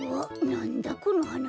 なんだこのはな。